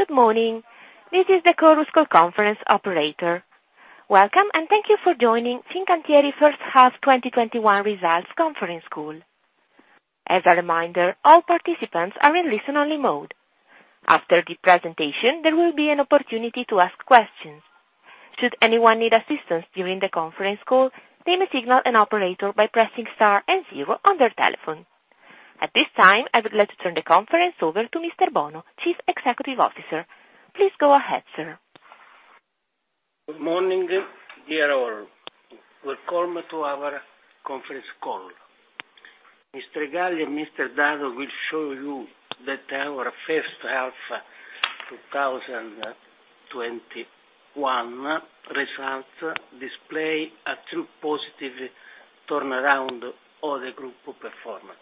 Good morning. This is the Chorus Call conference operator. Welcome, and thank you for joining FINCANTIERI First Half 2021 Results Conference Call. As a reminder, all participants are in listen-only mode. After the presentation, there will be an opportunity to ask questions. Should anyone need assistance during the conference call, they may signal an operator by pressing star and zero on their telephone. At this time, I would like to turn the conference over to Mr. Bono, Chief Executive Officer. Please go ahead, sir. Good morning, dear all. Welcome to our conference call. Mr. Gallia and Mr. Dado will show you that our first half 2021 results display a true positive turnaround of the group performance.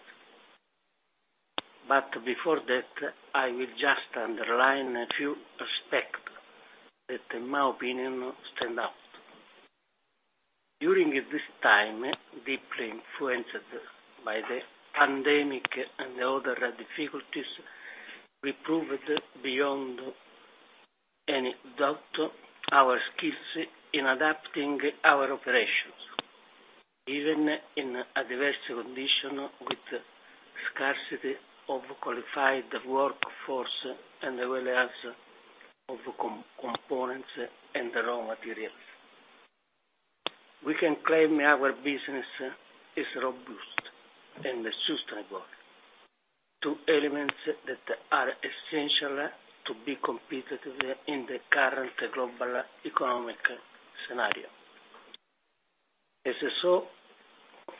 Before that, I will just underline a few aspects that, in my opinion, stand out. During this time, deeply influenced by the pandemic and other difficulties, we proved beyond any doubt our skills in adapting our operations, even in adverse conditions with scarcity of qualified workforce and the availability of components and raw materials. We can claim our business is robust and sustainable. Two elements that are essential to be competitive in the current global economic scenario. As so,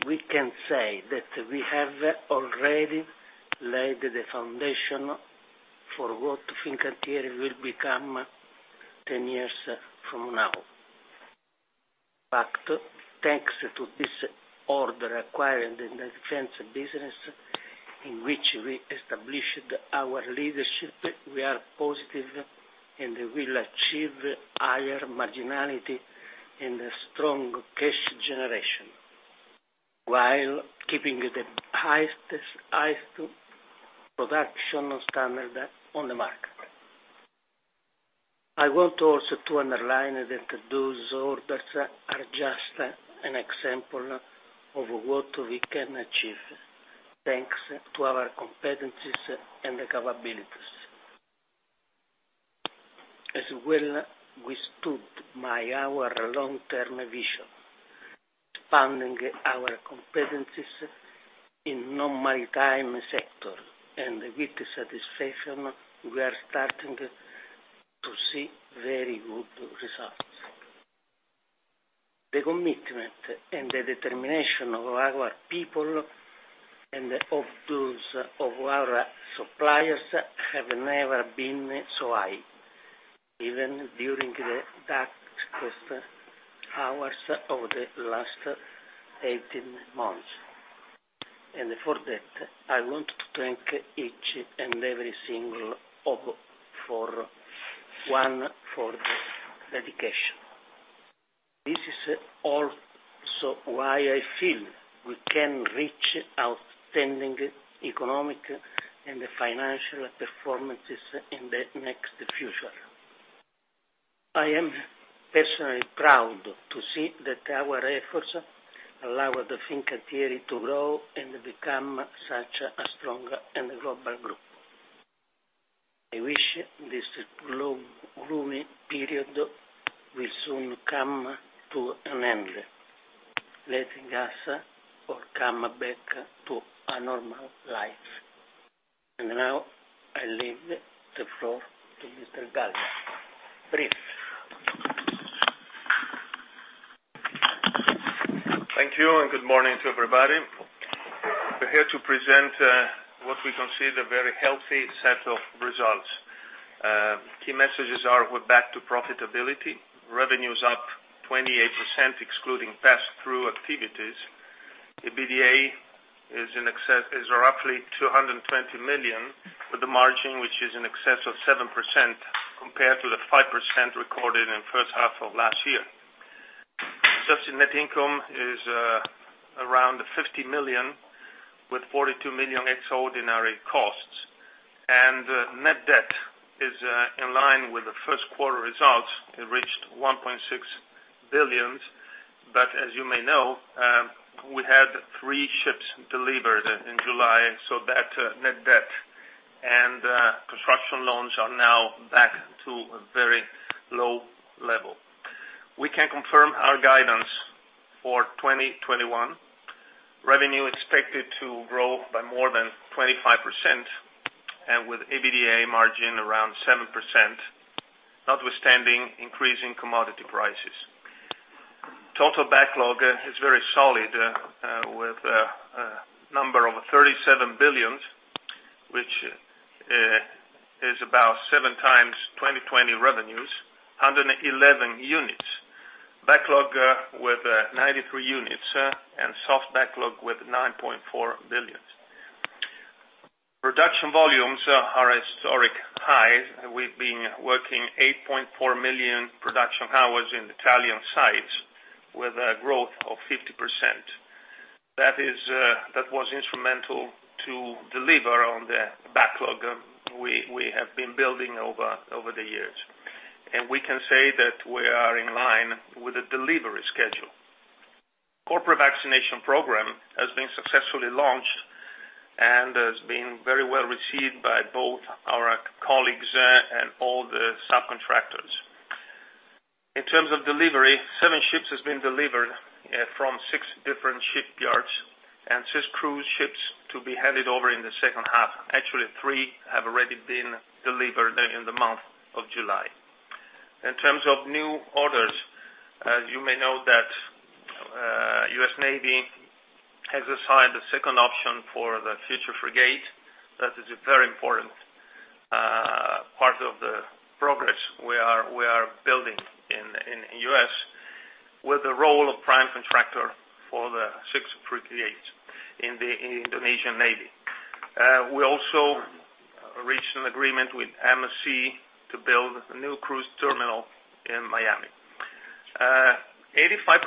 we can say that we have already laid the foundation for what FINCANTIERI will become 10 years from now. In fact, thanks to this order acquired in the defense business, in which we established our leadership, we are positive and we will achieve higher marginality and strong cash generation, while keeping the highest production standard on the market. I want also to underline that those orders are just an example of what we can achieve, thanks to our competencies and capabilities. As well, we stood by our long-term vision, expanding our competencies in non-maritime sector. With satisfaction, we are starting to see very good results. The commitment and the determination of our people and of our suppliers have never been so high, even during the darkest hours of the last 18 months. For that, I want to thank each and every single one for the dedication. This is also why I feel we can reach outstanding economic and financial performances in the next future. I am personally proud to see that our efforts allowed FINCANTIERI to grow and become such a strong and global group. I wish this gloomy period will soon come to an end, letting us all come back to a normal life. Now, I leave the floor to Mr. Gallia. Please. Thank you. Good morning to everybody. We're here to present what we consider a very healthy set of results. Key messages are we're back to profitability, revenues up 28%, excluding pass-through activities. EBITDA is roughly 220 million, with a margin which is in excess of 7%, compared to the 5% recorded in first half of last year. Adjusted net income is around 50 million, with 42 million extraordinary costs. Net debt is in line with the first quarter results. It reached 1.6 billion. As you may know, we had three ships delivered in July, so that net debt and construction loans are now back to a very low level. We can confirm our guidance for 2021. Revenue expected to grow by more than 25%, and with EBITDA margin around 7%, notwithstanding increasing commodity prices. Total backlog is very solid, with a number of 37 billion, which is about 7x 2020 revenues, 111 units. Backlog with 93 units and soft backlog with 9.4 billion. Production volumes are at historic highs. We've been working 8.4 million production hours in Italian sites, with a growth of 50%. That was instrumental to deliver on the backlog we have been building over the years. We can say that we are in line with the delivery schedule. Corporate vaccination program has been successfully launched and has been very well received by both our colleagues and all the subcontractors. In terms of delivery, seven ships has been delivered from six different shipyards and six cruise ships to be handed over in the second half. Actually, three have already been delivered in the month of July. In terms of new orders, as you may know that U.S. Navy has assigned the second option for the future frigate. That is a very important part of the progress we are building in U.S., with the role of prime contractor for the six frigates in the Indonesian Navy. We also reached an agreement with MSC to build a new cruise terminal in Miami. 85%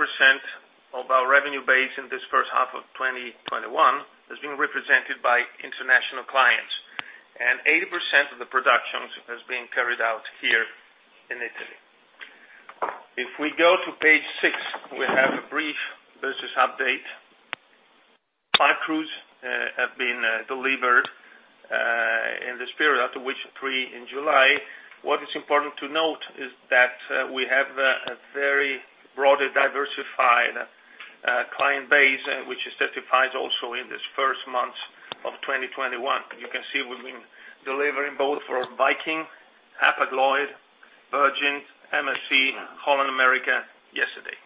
of our revenue base in this first half of 2021 is being represented by international clients, and 80% of the productions is being carried out here in Italy. If we go to page six, we have a brief business update. Five cruise have been delivered in this period, out of which three in July. What is important to note is that we have a very broadly diversified client base, which is certified also in this first month of 2021. You can see we've been delivering both for Viking, Hapag-Lloyd, Virgin, MSC, Holland America yesterday.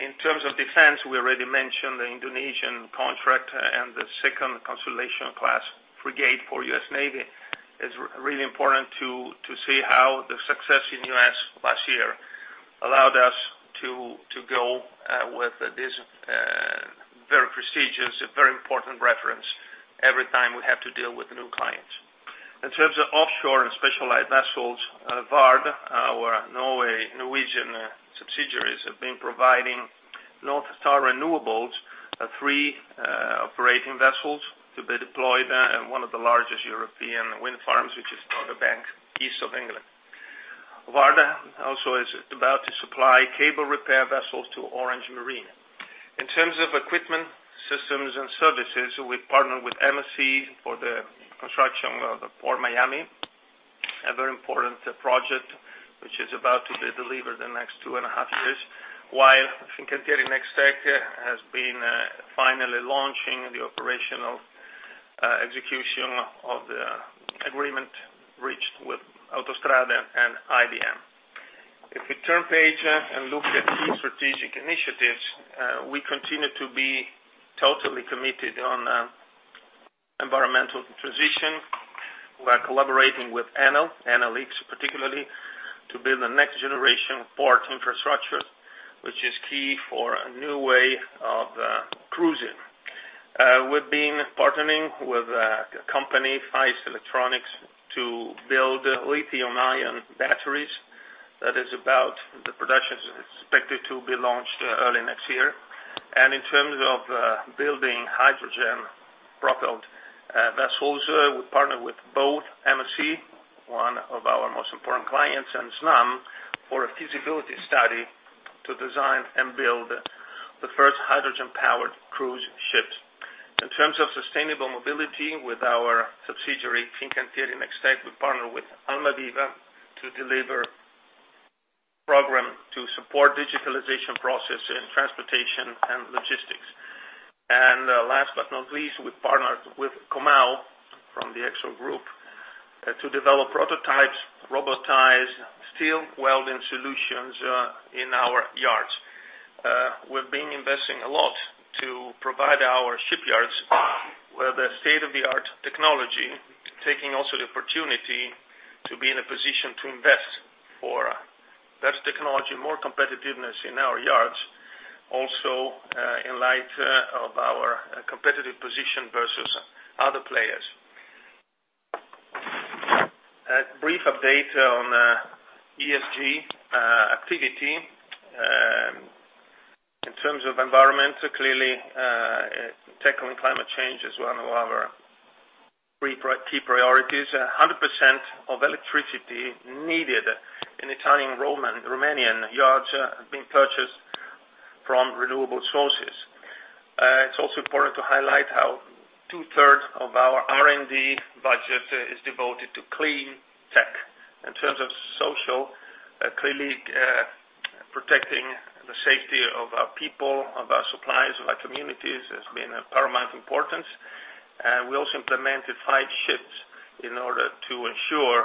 In terms of defense, we already mentioned the Indonesian contract and the second Constellation-class frigate for U.S. Navy is really important to see how the success in U.S. last year allowed us to go with this very prestigious, very important reference every time we have to deal with new clients. In terms of offshore and specialized vessels, VARD, our Norwegian subsidiaries, have been providing North Star Renewables three operating vessels to be deployed in one of the largest European wind farms, which is Dogger Bank, East of England. VARD also is about to supply cable repair vessels to Orange Marine. In terms of Equipment, Systems & Services, we partner with MSC for the construction of Port Miami, a very important project, which is about to be delivered the next two and a half years, while Fincantieri NexTech has been finally launching the operational execution of the agreement reached with Autostrade and IBM. If we turn page and look at key strategic initiatives, we continue to be totally committed on environmental transition. We are collaborating with Enel X particularly, to build a next generation port infrastructure, which is key for a new way of cruising. We've been partnering with a company, Faist Electronics, to build lithium-ion batteries. That is about the production is expected to be launched early next year. In terms of building hydrogen-propelled vessels, we partner with both MSC, one of our most important clients, and Snam, for a feasibility study to design and build the first hydrogen-powered cruise ships. In terms of sustainable mobility with our subsidiary, Fincantieri NexTech, we partner with AlmavivA to deliver program to support digitalization process in transportation and logistics. Last but not least, we partnered with Comau from the Exor Group to develop prototypes, robotize steel welding solutions in our yards. We've been investing a lot to provide our shipyards with the state-of-the-art technology, taking also the opportunity to be in a position to invest for best technology, more competitiveness in our yards, also in light of our competitive position versus other players. A brief update on ESG activity. In terms of environment, clearly, tackling climate change is one of our key priorities. 100% of electricity needed in Italian, Romanian yards have been purchased from renewable sources. It's also important to highlight how two-third of our R&D budget is devoted to clean tech. In terms of social, clearly, protecting the safety of our people, of our suppliers, of our communities has been a paramount importance. We also implemented five ships in order to ensure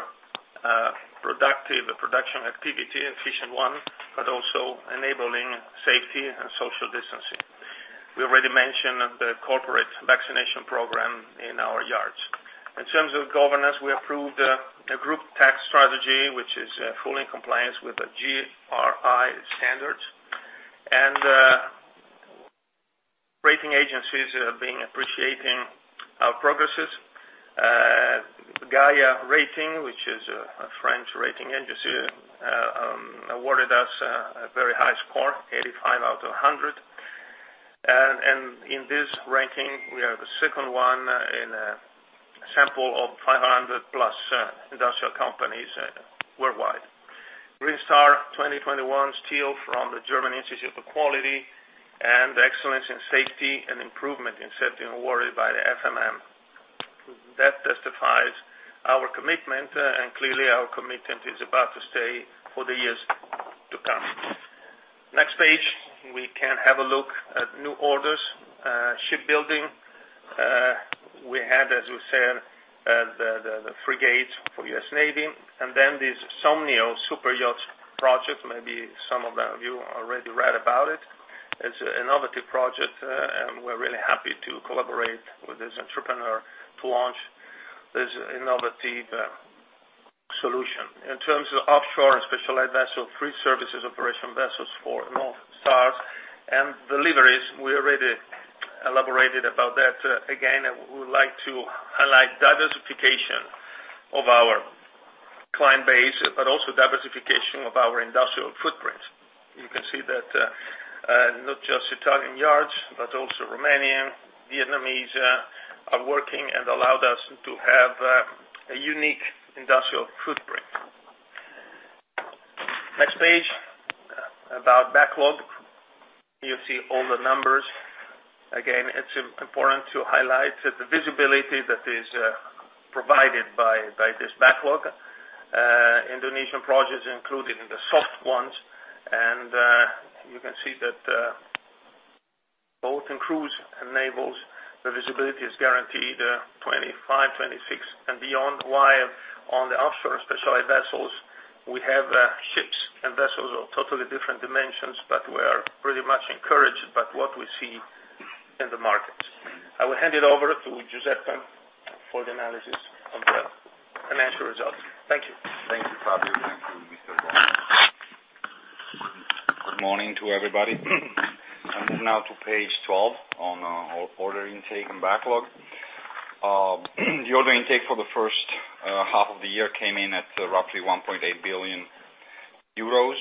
productive production activity, efficient one, but also enabling safety and social distancing. We already mentioned the corporate vaccination program in our yards. In terms of governance, we approved a group tax strategy, which is fully in compliance with the GRI standards. Rating agencies are being appreciating our progresses. Gaïa Rating, which is a French rating agency, awarded us a very high score, 85 out of 100. In this ranking, we are the second one in a sample of 500+ industrial companies worldwide. Green Star 2021 seal from the German Institute for Quality and Finance and the Excellence in Safety and Improvement in Safety award by the FMM. That testifies our commitment, clearly our commitment is about to stay for the years to come. Next page, we can have a look at new orders. Shipbuilding, we had, as we said, the frigates for U.S. Navy, and then this Somnio superyacht project, maybe some of you already read about it. It's an innovative project, and we are really happy to collaborate with this entrepreneur to launch this innovative solution. In terms of offshore and specialized vessel, three services operation vessels for North Star and deliveries, we already elaborated about that. Again, we would like to highlight diversification of our client base, but also diversification of our industrial footprint. You can see that not just Italian yards, but also Romanian, Vietnamese, are working and allowed us to have a unique industrial footprint. Next page, about backlog. You see all the numbers. Again, it's important to highlight the visibility that is provided by this backlog. Indonesian projects included in the soft ones. You can see that both in cruise and navals the visibility is guaranteed 2025, 2026 and beyond. While on the offshore specialized vessels, we have ships and vessels of totally different dimensions, but we are pretty much encouraged by what we see in the markets. I will hand it over to Giuseppe for the analysis of the financial results. Thank you. Thank you, Fabio. Thank you, Mr. Bono. Good morning to everybody. I move now to page 12 on order intake and backlog. The order intake for the first half of the year came in at roughly 1.8 billion euros.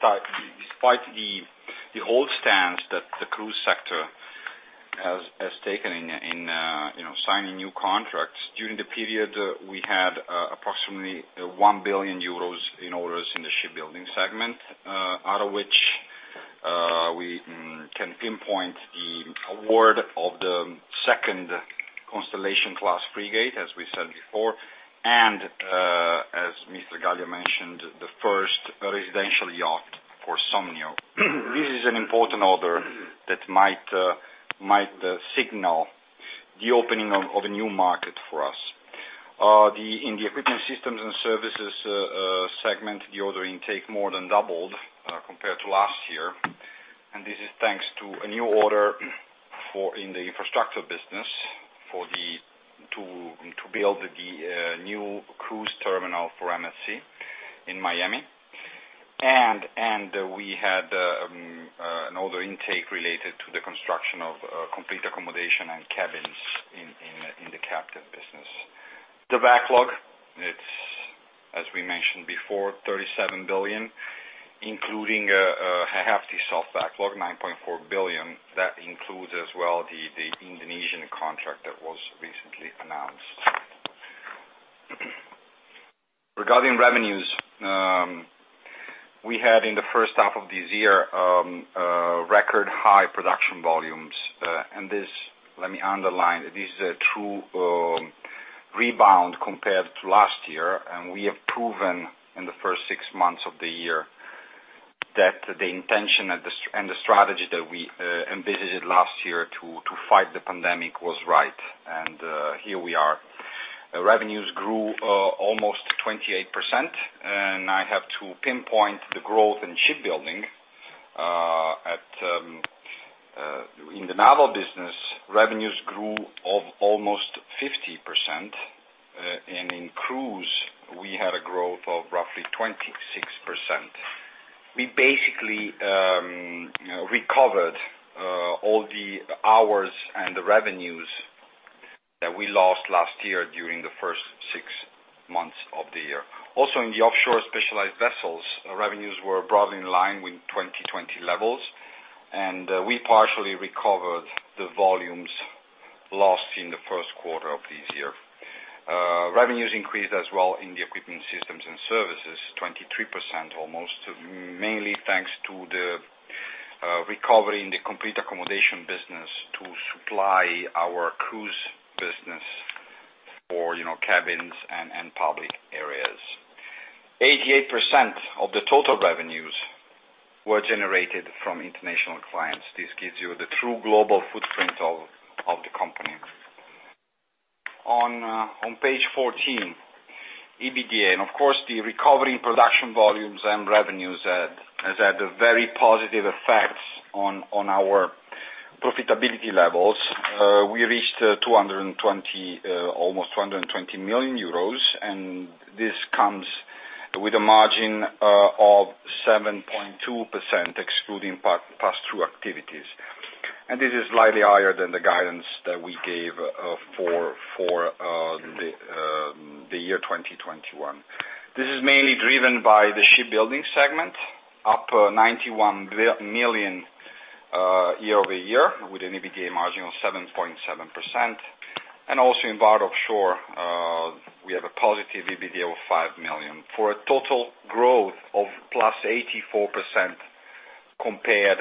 Despite the hold stance that the cruise sector has taken in signing new contracts, during the period, we had approximately 1 billion euros in orders in the shipbuilding segment, out of which we can pinpoint the award of the second Constellation-class frigate, as we said before, and, as Mr. Gallia mentioned, the first residential yacht for Somnio. This is an important order that might signal the opening of a new market for us. In the Equipment, Systems & Services segment, the order intake more than doubled compared to last year. This is thanks to a new order in the infrastructure business to build the new cruise terminal for MSC in Miami. We had an order intake related to the construction of complete accommodation and cabins in the captive business. The backlog, it's as we mentioned before, 37 billion, including a hefty soft backlog, 9.4 billion. That includes as well the Indonesian contract that was recently announced. Regarding revenues, we had in the first half of this year record high production volumes. This, let me underline, this is a true rebound compared to last year. We have proven in the first six months of the year that the intention and the strategy that we envisaged last year to fight the pandemic was right. Here we are. Revenues grew almost 28%. I have to pinpoint the growth in shipbuilding. In the naval business, revenues grew of almost 50%. In cruise, we had a growth of roughly 26%. We basically recovered all the hours and the revenues that we lost last year during the first six months of the year. Also, in the offshore specialized vessels, revenues were broadly in line with 2020 levels. We partially recovered the volumes lost in the first quarter of this year. Revenues increased as well in the Equipment, Systems & Services, 23% almost, mainly thanks to the recovery in the complete accommodation business to supply our cruise business for cabins and public areas. 88% of the total revenues were generated from international clients. This gives you the true global footprint of the company. On page 14, EBITDA. Of course, the recovery in production volumes and revenues has had a very positive effect on our profitability levels. We reached almost 220 million euros. This comes with a margin of 7.2%, excluding pass-through activities. This is slightly higher than the guidance that we gave for the year 2021. This is mainly driven by the shipbuilding segment, up 91 million year-over-year with an EBITDA margin of 7.7%. Also in VARD Offshore, we have a positive EBITDA of 5 million, for a total growth of +84% compared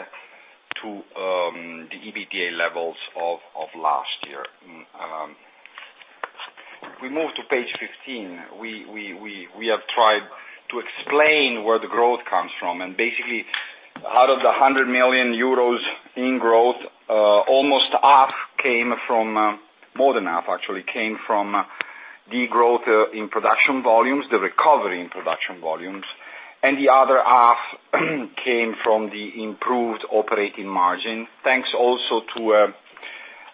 to the EBITDA levels of last year. We move to page 15. We have tried to explain where the growth comes from. Basically, out of the 100 million euros in growth, almost half, more than half actually, came from the growth in production volumes, the recovery in production volumes, and the other half came from the improved operating margin. Thanks also to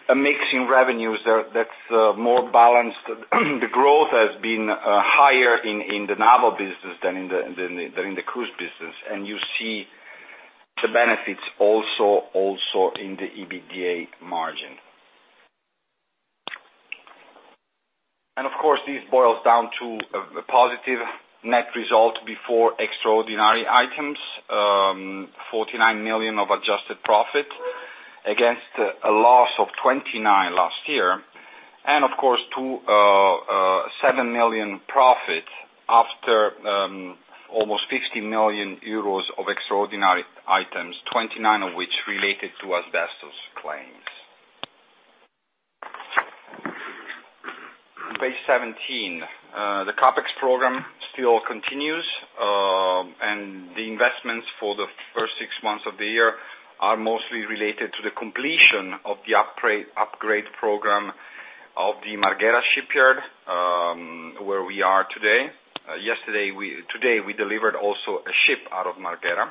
a mix in revenues that's more balanced. The growth has been higher in the naval business than in the cruise business. You see the benefits also in the EBITDA margin. Of course, this boils down to a positive net result before extraordinary items, 49 million of adjusted profit against a loss of 29 last year. Of course, to 7 million profit after almost 50 million euros of extraordinary items, 29 of which related to asbestos claims. Page 17. The CapEx program still continues. The investments for the first six months of the year are mostly related to the completion of the upgrade program of the Marghera shipyard, where we are today. Today, we delivered also a ship out of Marghera.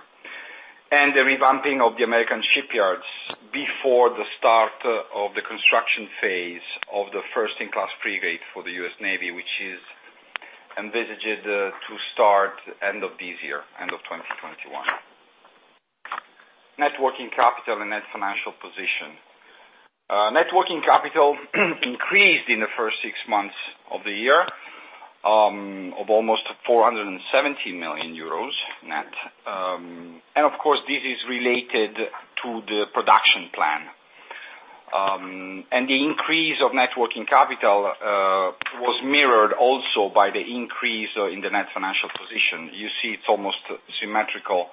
The revamping of the U.S. shipyards before the start of the construction phase of the first-in-class frigate for the U.S. Navy, which is envisaged to start end of this year, end of 2021. Net working capital and net financial position. Net working capital increased in the first six months of the year of almost 470 million euros net. Of course, this is related to the production plan. The increase of net working capital was mirrored also by the increase in the net financial position. You see it's almost symmetrical,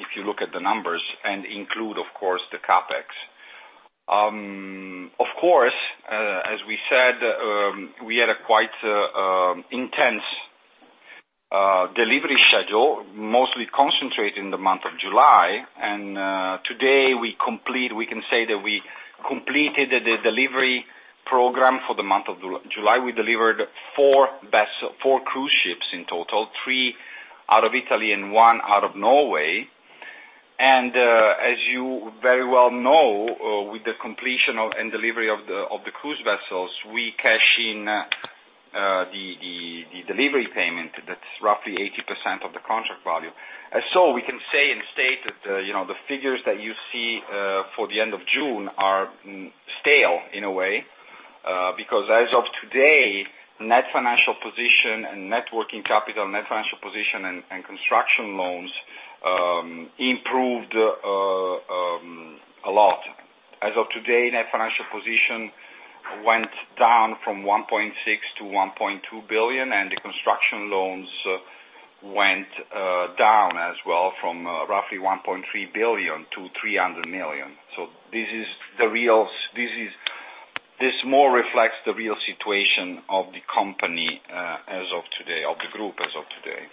if you look at the numbers, and include, of course, the CapEx. Of course, as we said, we had a quite intense delivery schedule, mostly concentrated in the month of July. Today we can say that we completed the delivery program for the month of July. We delivered four cruise ships in total, three out of Italy and one out of Norway. As you very well know, with the completion and delivery of the cruise vessels, we cash in the delivery payment, that's roughly 80% of the contract value. We can say and state that the figures that you see for the end of June are stale in a way. Because as of today, net financial position and net working capital, net financial position and construction loans improved a lot. As of today, net financial position went down from 1.6 billion to 1.2 billion, and the construction loans went down as well from roughly 1.3 billion to 300 million. This more reflects the real situation of the company as of today, of the group as of today.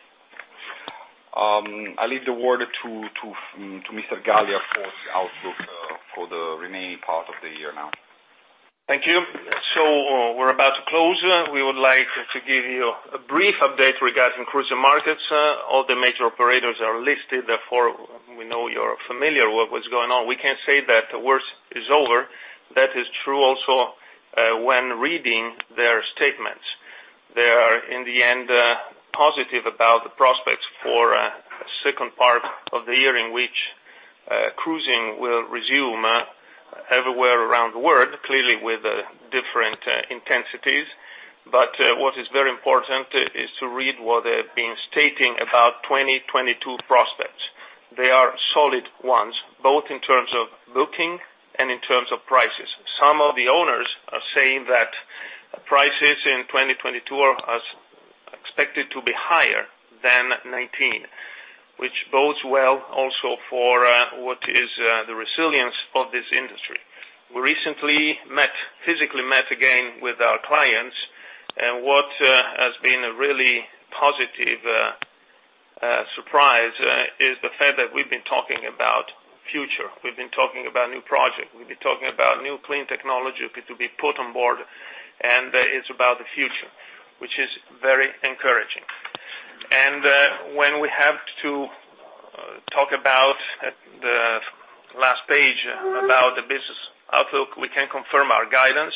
I leave the word to Mr. Gallia for the outlook for the remaining part of the year now. Thank you. We're about to close. We would like to give you a brief update regarding cruise markets. All the major operators are listed, therefore, we know you're familiar with what's going on. We can say that the worst is over. That is true also when reading their statements. They are, in the end, positive about the prospects for a second part of the year in which cruising will resume everywhere around the world, clearly with different intensities. What is very important is to read what they've been stating about 2022 prospects. They are solid ones, both in terms of booking and in terms of prices. Some of the owners are saying that prices in 2022 are expected to be higher than 2019, which bodes well also for what is the resilience of this industry. We recently physically met again with our clients, and what has been a really positive surprise is the fact that we've been talking about future. We've been talking about new project, we've been talking about new clean technology to be put on board, and it's about the future, which is very encouraging. When we have to talk about the last page about the business outlook, we can confirm our guidance,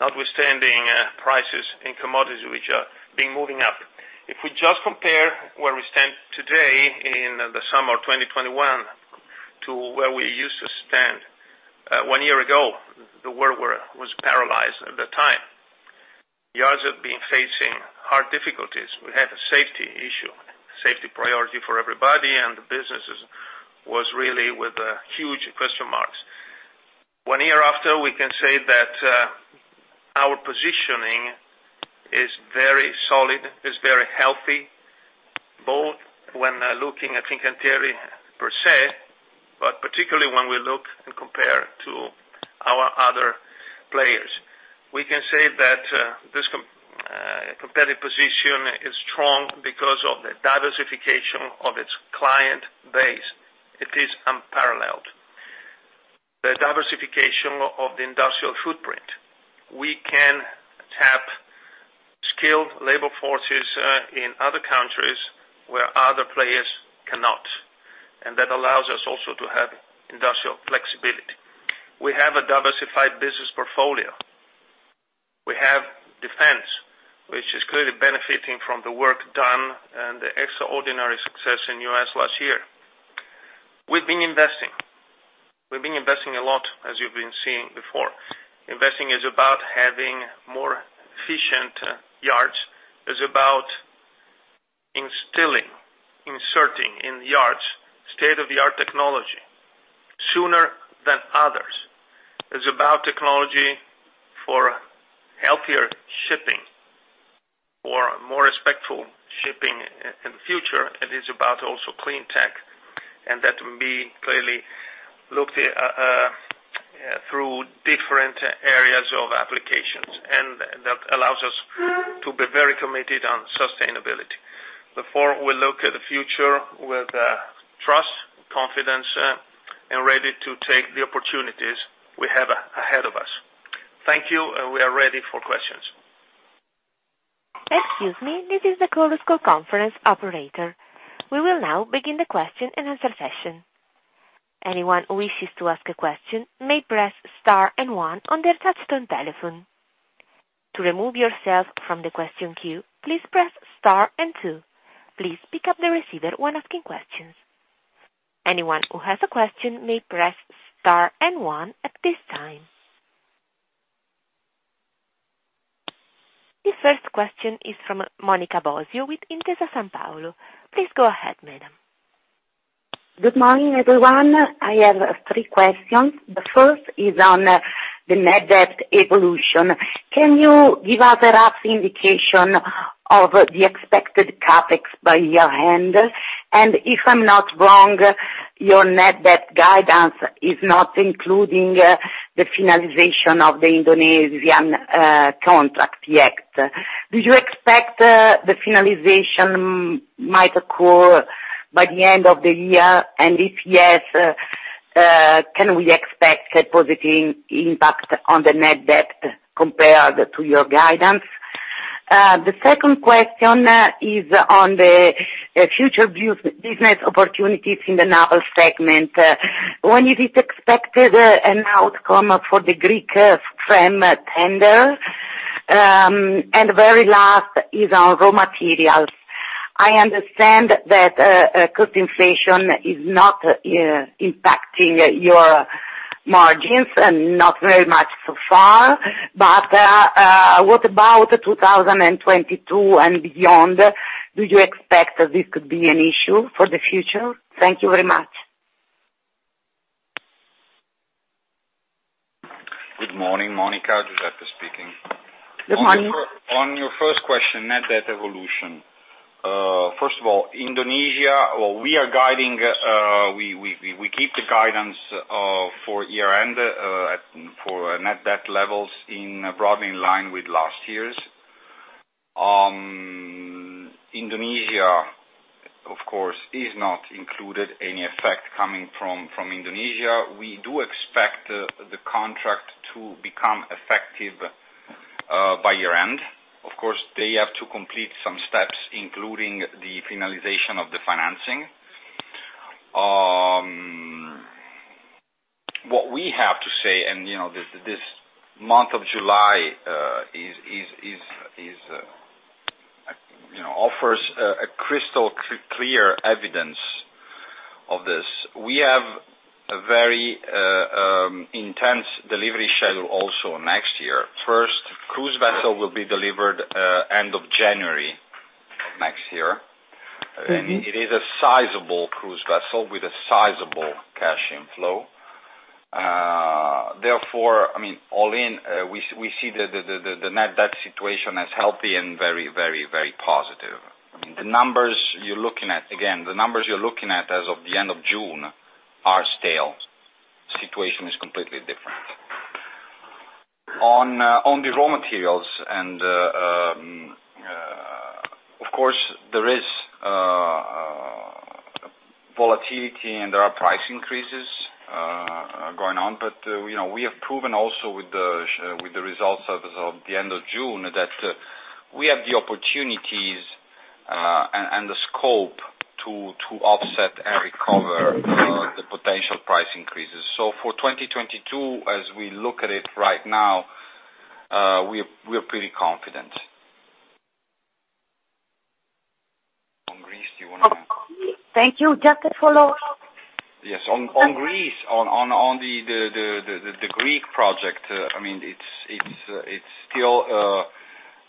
notwithstanding prices in commodities which are being moving up. If we just compare where we stand today in the summer of 2021 to where we used to stand one year ago, the world was paralyzed at the time. Yards have been facing hard difficulties. We had a safety issue, safety priority for everybody, and the businesses was really with huge question marks. One year after, we can say that our positioning is very solid, is very healthy, both when looking at FINCANTIERI per se, but particularly when we look and compare to our other players. We can say that this competitive position is strong because of the diversification of its client base. It is unparalleled. The diversification of the industrial footprint. We can tap skilled labor forces in other countries where other players cannot, and that allows us also to have industrial flexibility. We have a diversified business portfolio. We have defense, which is clearly benefiting from the work done and the extraordinary success in U.S. last year. We've been investing. We've been investing a lot, as you've been seeing before. Investing is about having more efficient yards, is about instilling, inserting in yards state-of-the-art technology sooner than others. It's about technology for healthier shipping, for more respectful shipping in the future. It is about also clean tech, and that will be clearly looked through different areas of applications. That allows us to be very committed on sustainability. Before we look at the future with trust, confidence, and ready to take the opportunities we have ahead of us. Thank you, and we are ready for questions. The first question is from Monica Bosio with Intesa Sanpaolo. Please go ahead, madam. Good morning, everyone. I have three questions. The first is on the net debt evolution. Can you give us a rough indication of the expected CapEx by year end? If I'm not wrong, your net debt guidance is not including the finalization of the Indonesian contract yet. Do you expect the finalization might occur by the end of the year? If yes, can we expect a positive impact on the net debt compared to your guidance? The second question is on the future business opportunities in the naval segment. When is it expected an outcome for the Greek FREMM tender? Very last is on raw materials. I understand that cost inflation is not impacting your margins and not very much so far, what about 2022 and beyond? Do you expect that this could be an issue for the future? Thank you very much. Good morning, Monica. Giuseppe speaking. Good morning. On your first question, net debt evolution. First of all, Indonesia, we keep the guidance for year-end for net debt levels broadly in line with last year's. Indonesia, of course, is not included any effect coming from Indonesia. We do expect the contract to become effective by year-end. Of course, they have to complete some steps, including the finalization of the financing. This month of July offers a crystal clear evidence of this. We have a very intense delivery schedule also next year. First cruise vessel will be delivered end of January next year. It is a sizable cruise vessel with a sizable cash inflow. Therefore, all in, we see the net financial position as healthy and very positive. Again, the numbers you're looking at as of the end of June are stale. Situation is completely different. On the raw materials, and of course there is volatility and there are price increases going on, but we have proven also with the results as of the end of June that we have the opportunities the scope to offset and recover the potential price increases. For 2022, as we look at it right now, we are pretty confident. On Greece, do you want to comment? Thank you. Just a follow-up. Yes, on the Greek project,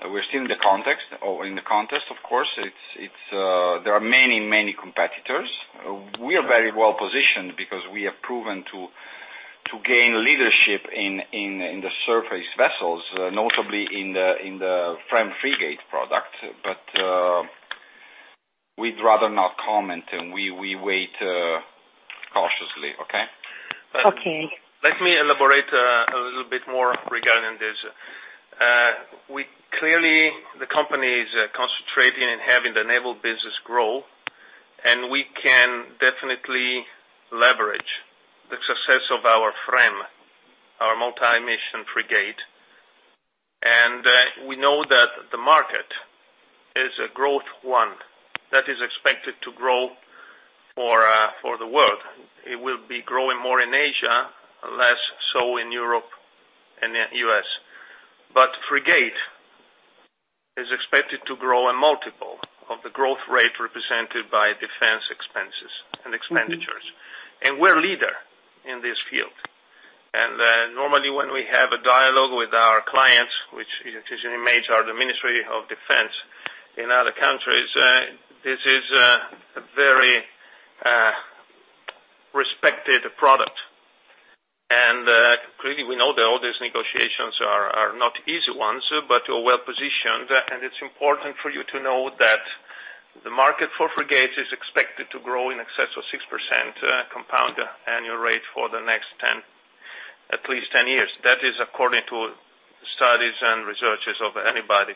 we're still in the contest, of course. There are many, many competitors. We are very well positioned because we have proven to gain leadership in the surface vessels, notably in the FREMM frigate product. We'd rather not comment, and we wait cautiously. Okay? Okay. Let me elaborate a little bit more regarding this. Clearly, the company is concentrating in having the naval business grow, and we can definitely leverage the success of our FREMM, our multi-mission frigate. We know that the market is a growth one that is expected to grow for the world. It will be growing more in Asia, less so in Europe and the U.S. Frigate is expected to grow a multiple of the growth rate represented by defense expenses and expenditures. We're leader in this field. Normally when we have a dialogue with our clients, which is major, the Ministry of Defense in other countries, this is a very respected product. Clearly, we know that all these negotiations are not easy ones, but we're well-positioned. It's important for you to know that the market for frigates is expected to grow in excess of 6% compound annual rate for the next at least 10 years. That is according to studies and researches of anybody.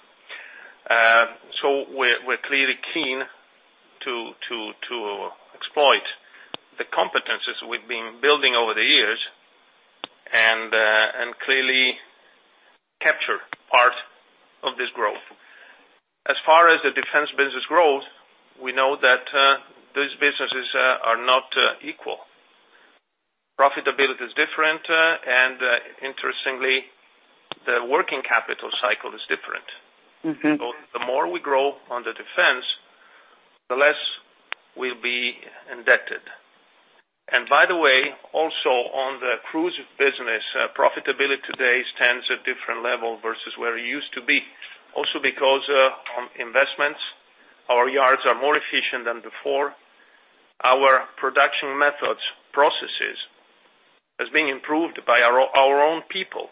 We're clearly keen to exploit the competencies we've been building over the years, and clearly capture part of this growth. As far as the defense business growth, we know that those businesses are not equal. Profitability is different, and interestingly, the working capital cycle is different. The more we grow on the defense, the less we'll be indebted. By the way, also on the cruise business, profitability today stands at different level versus where it used to be. Because on investments, our yards are more efficient than before. Our production methods, processes, has been improved by our own people.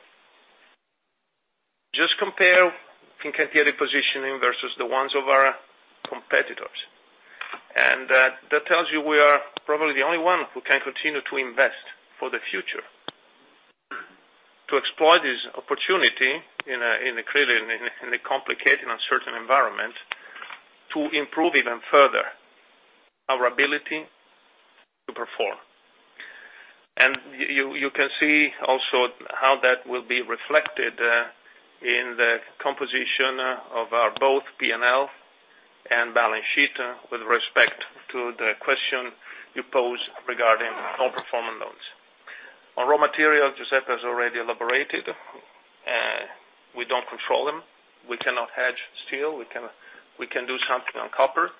Just compare FINCANTIERI positioning versus the ones of our competitors. That tells you we are probably the only one who can continue to invest for the future to exploit this opportunity in a complicated, uncertain environment to improve even further our ability to perform. You can see also how that will be reflected in the composition of our both P&L and balance sheet with respect to the question you posed regarding non-performing loans. On raw material, Giuseppe has already elaborated. We don't control them. We cannot hedge steel. We can do something on copper.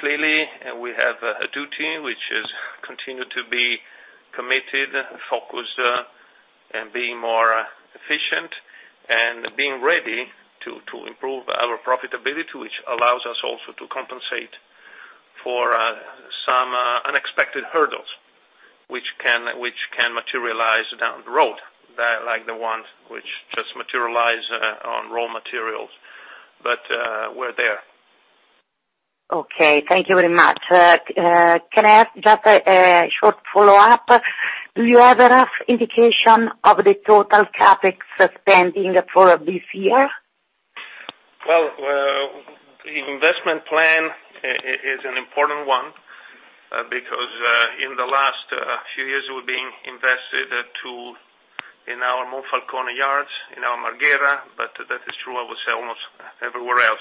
Clearly, we have a duty, which is continue to be committed, focused, and being more efficient, and being ready to improve our profitability, which allows us also to compensate for some unexpected hurdles, which can materialize down the road, like the ones which just materialize on raw materials. We're there. Okay. Thank you very much. Can I ask just a short follow-up? Do you have a rough indication of the total CapEx spending for this year? Well, the investment plan is an important one, because in the last few years, we've been invested to in our Monfalcone yards, in our Marghera, but that is true, I would say, almost everywhere else.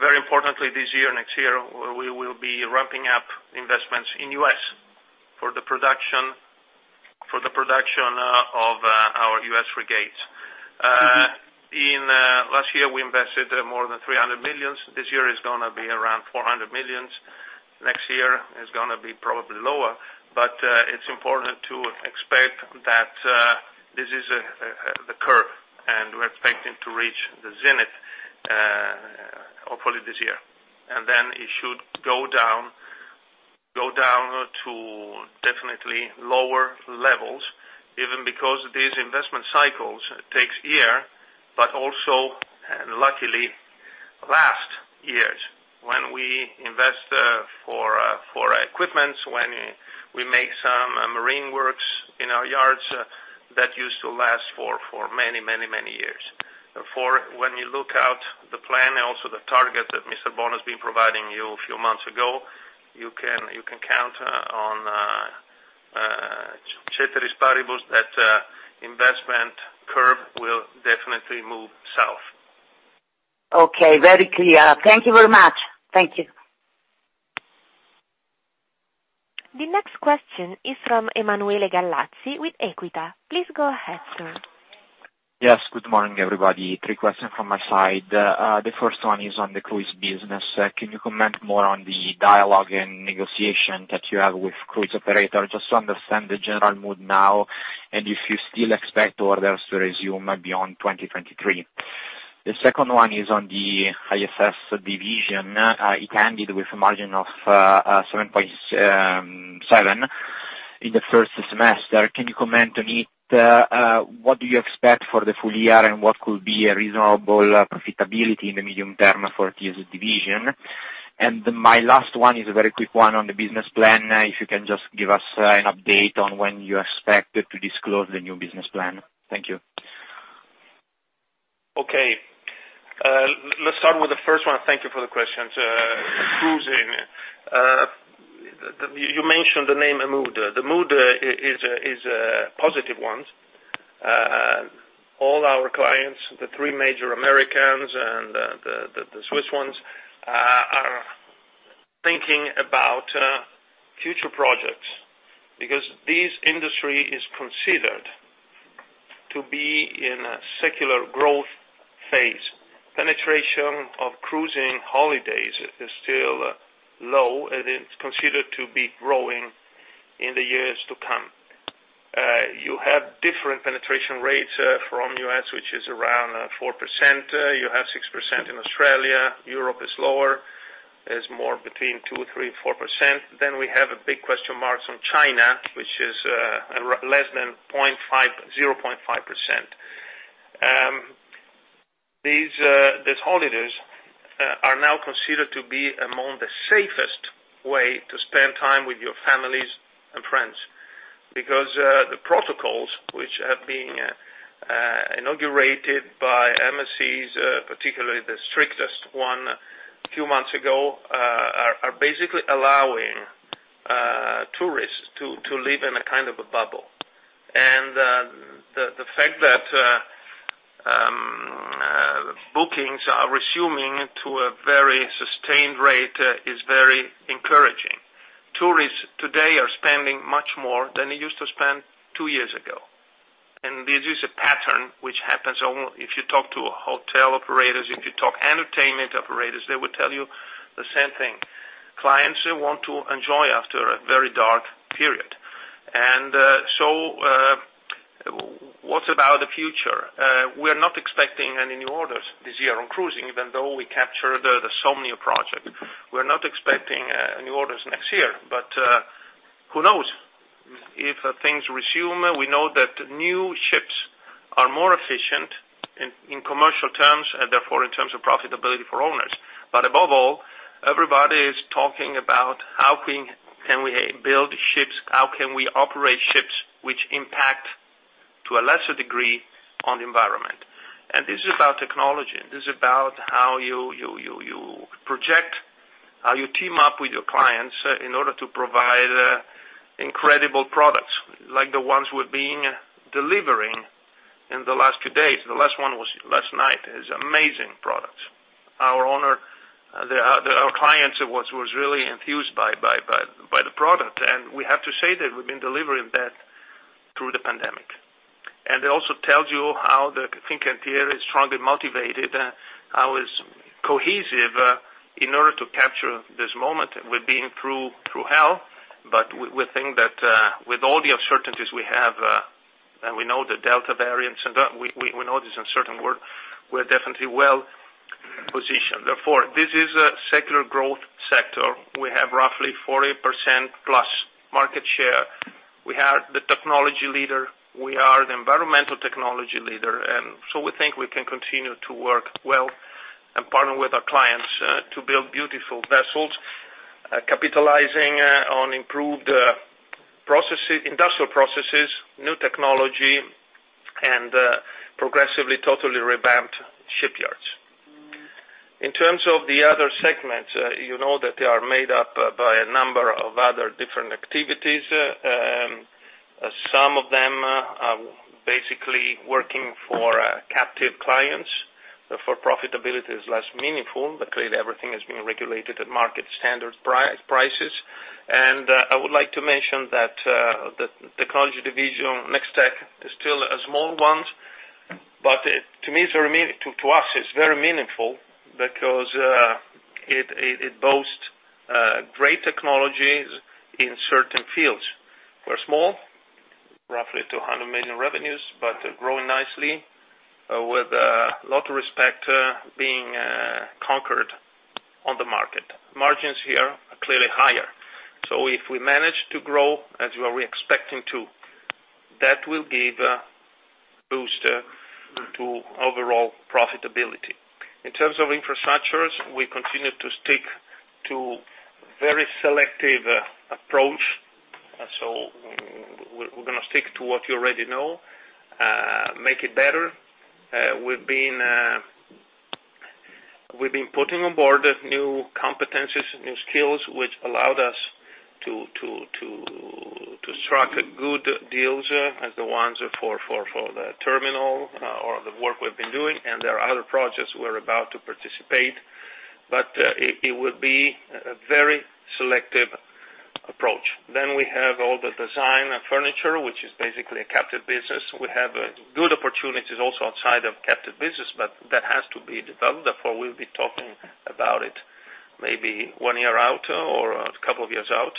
Very importantly, this year, next year, we will be ramping up investments in U.S. for the production of our U.S. frigates. Last year, we invested more than 300 million. This year is going to be around 400 million. Next year is going to be probably lower. It's important to expect that this is the curve, and we're expecting to reach the zenith, hopefully this year. Then it should go down to definitely lower levels, even because these investment cycles takes year, but also luckily last years. When you look out the plan, also the target that Mr. Bono has been providing you a few months ago, you can count on a Ceteris paribus, that investment curve will definitely move south. Okay, very clear. Thank you very much. Thank you. The next question is from Emanuele Gallazzi with EQUITA. Please go ahead, sir. Yes. Good morning, everybody. Three questions from my side. The first one is on the cruise business. Can you comment more on the dialogue and negotiation that you have with cruise operator, just to understand the general mood now, and if you still expect orders to resume beyond 2023? The second one is on the ES&S division. It ended with a margin of 7.7% in the first semester. Can you comment on it? What do you expect for the full year, and what could be a reasonable profitability in the medium term for ES&S division? My last one is a very quick one on the business plan. If you can just give us an update on when you expect to disclose the new business plan. Thank you. Okay. Let's start with the first one. Thank you for the question. Cruising. You mentioned the name, a mood. The mood is a positive one. All our clients, the three major Americans and the Swiss ones, are thinking about future projects, because this industry is considered to be in a secular growth phase. Penetration of cruising holidays is still low, and it's considered to be growing in the years to come. You have different penetration rates from U.S., which is around 4%. You have 6% in Australia. Europe is lower. It's more between 2%, 3%, 4%. We have a big question mark on China, which is less than 0.5%. These holidays are now considered to be among the safest way to spend time with your families and friends, because the protocols which have been inaugurated by MSCs, particularly the strictest one a few months ago, are basically allowing tourists to live in a kind of a bubble. The fact that bookings are resuming to a very sustained rate is very encouraging. Tourists today are spending much more than they used to spend two years ago. This is a pattern which happens, if you talk to hotel operators, if you talk entertainment operators, they will tell you the same thing. Clients want to enjoy after a very dark period. What about the future? We're not expecting any new orders this year on cruising, even though we captured the Somnio project. We're not expecting any orders next year. Who knows? If things resume, we know that new ships are more efficient in commercial terms, and therefore, in terms of profitability for owners. Above all, everybody is talking about how can we build ships? How can we operate ships which impact, to a lesser degree, on the environment? This is about technology. This is about how you project, how you team up with your clients in order to provide incredible products like the ones we've been delivering in the last few days. The last one was last night. It's amazing products. Our clients was really enthused by the product, and we have to say that we've been delivering that through the pandemic. It also tells you how the FINCANTIERI is strongly motivated, how it's cohesive in order to capture this moment. We've been through hell, but we think that with all the uncertainties we have, and we know the Delta variants, and we know this uncertain world, we're definitely well-positioned. Therefore, this is a secular growth sector. We have roughly 40%+ market share. We are the technology leader. We are the environmental technology leader, and so we think we can continue to work well and partner with our clients to build beautiful vessels, capitalizing on improved industrial processes, new technology, and progressively, totally revamped shipyards. In terms of the other segments, you know that they are made up by a number of other different activities. Some of them are basically working for captive clients, for profitability is less meaningful, but clearly everything is being regulated at market standard prices. I would like to mention that the technology division, NexTech, is still a small one, but to us, it's very meaningful because it boasts great technologies in certain fields. We're small, roughly 200 million revenues, but growing nicely with a lot of respect being conquered on the market. Margins here are clearly higher. If we manage to grow, as we are expecting to, that will give a boost to overall profitability. In terms of infrastructures, we continue to stick to very selective approach. We're going to stick to what you already know, make it better. We've been putting on board new competencies, new skills, which allowed us to strike good deals as the ones for the terminal, or the work we've been doing. There are other projects we're about to participate, but it will be a very selective approach. We have all the design and furniture, which is basically a captive business. We have good opportunities also outside of captive business, but that has to be developed. We'll be talking about it maybe one year out, or a couple of years out.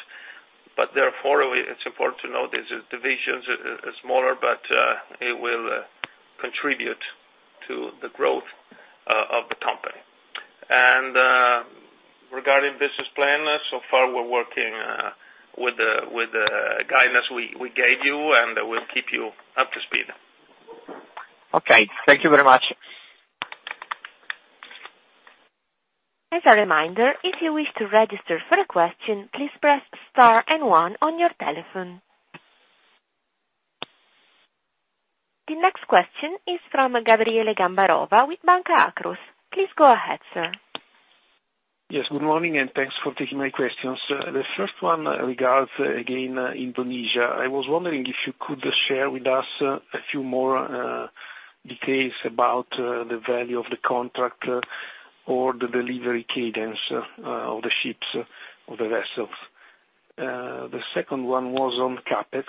It's important to note this division is smaller, but it will contribute to the growth of the company. Regarding business plan, so far we're working with the guidance we gave you, and we'll keep you up to speed. Okay. Thank you very much. The next question is from Gabriele Gambarova with Banca Akros. Please go ahead, sir. Yes, good morning. Thanks for taking my questions. The first one regards, again, Indonesia. I was wondering if you could share with us a few more details about the value of the contract or the delivery cadence of the ships or the vessels. The second one was on CapEx.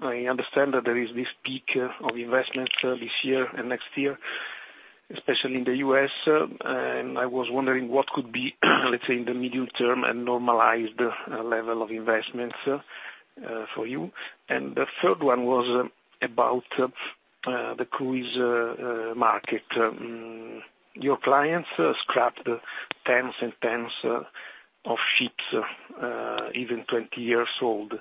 I understand that there is this peak of investments this year and next year, especially in the U.S., and I was wondering what could be, let's say, in the medium term, a normalized level of investments for you. The third one was about the cruise market. Your clients scrapped tens and tens of ships, even 20 years old.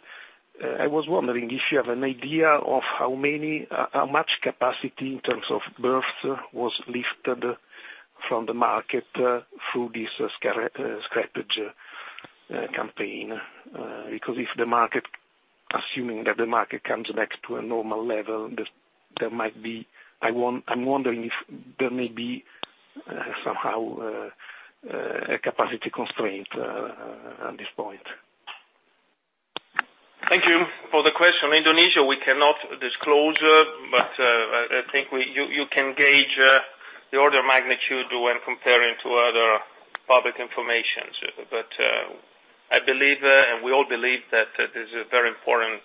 I was wondering if you have an idea of how much capacity in terms of berth was lifted from the market through this scrappage campaign. If the market, assuming that the market comes back to a normal level, I'm wondering if there may be somehow a capacity constraint at this point. Thank you for the question. Indonesia, we cannot disclose, I think you can gauge the order of magnitude when comparing to other public information. I believe, and we all believe, that this is a very important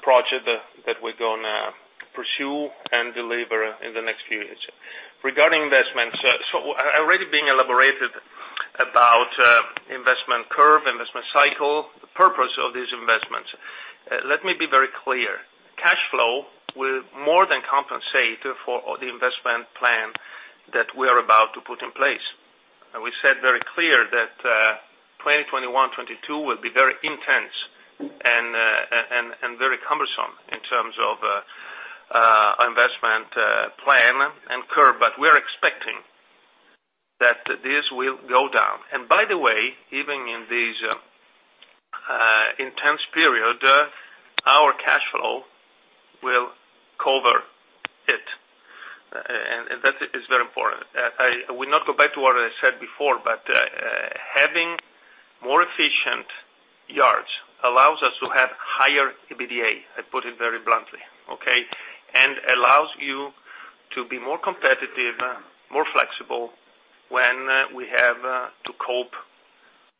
project that we're going to pursue and deliver in the next few years. Regarding investments, already being elaborated about investment curve, investment cycle, the purpose of these investments. Let me be very clear. Cash flow will more than compensate for all the investment plan that we are about to put in place. We said very clear that 2021, 2022 will be very intense and very cumbersome in terms of investment plan and curve, we're expecting that this will go down. By the way, even in this intense period, our cash flow will cover it, and that is very important. I will not go back to what I said before, having more efficient yards allows us to have higher EBITDA, I put it very bluntly. Okay? Allows you to be more competitive, more flexible, when we have to cope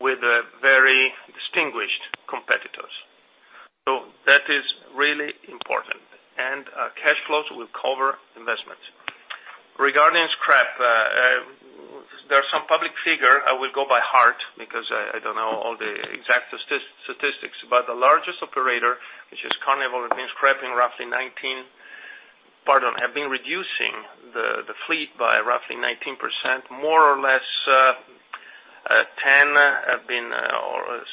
with very distinguished competitors. That is really important, and cash flows will cover investments. Regarding scrap, there are some public figure, I will go by heart because I don't know all the exact statistics, but the largest operator, which is Carnival, have been reducing the fleet by roughly 19%, more or less, 10 have been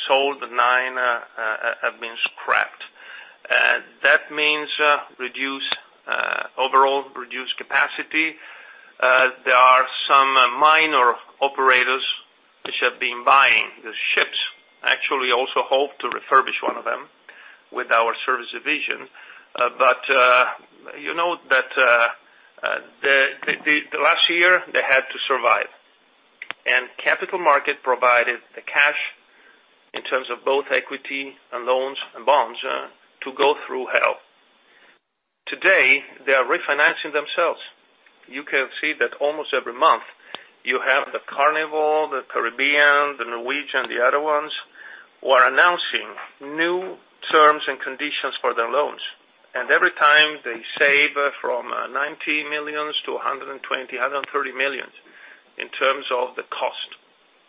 sold, nine have been scrapped. That means overall reduced capacity. There are some minor operators which have been buying the ships. Also hope to refurbish one of them with our service division. You know that the last year, they had to survive. Capital market provided the cash in terms of both equity and loans and bonds to go through hell. Today, they are refinancing themselves. You can see that almost every month you have the Carnival, the Caribbean, the Norwegian, the other ones, who are announcing new terms and conditions for their loans. Every time they save from 90 million to 120, 130 million in terms of the cost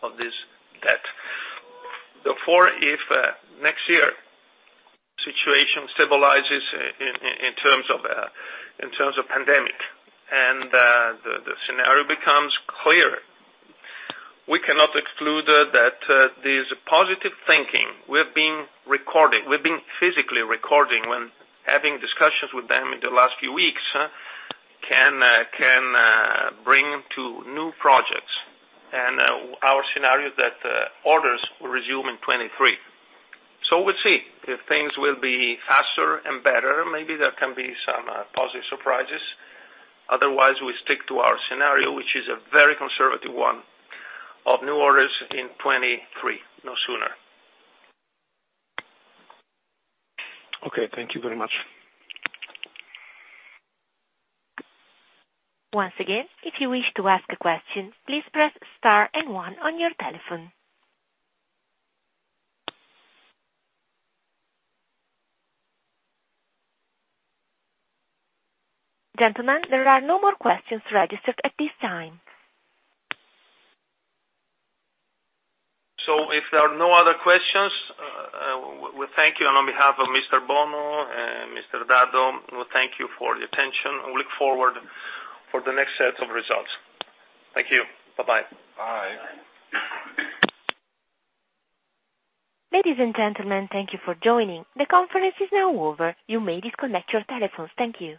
of this debt. Therefore, if next year situation stabilizes in terms of pandemic and the scenario becomes clearer, we cannot exclude that this positive thinking we have been physically recording when having discussions with them in the last few weeks, can bring to new projects. Our scenario that orders will resume in 2023. We'll see if things will be faster and better. Maybe there can be some positive surprises. Otherwise, we stick to our scenario, which is a very conservative one, of new orders in 2023. No sooner. Okay. Thank you very much. Once again, if you wish to ask a question, please press star and one on your telephone. Gentlemen, there are no more questions registered at this time. If there are no other questions, we thank you. On behalf of Mr. Bono and Mr. Dado, we thank you for the attention, and look forward for the next set of results. Thank you. Bye-bye. Bye. Ladies and gentlemen, thank you for joining. The conference is now over. You may disconnect your telephones. Thank you.